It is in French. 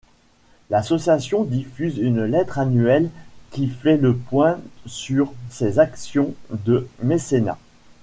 L'association diffuse une lettre annuelle qui fait le point sur ses actions de mécénat.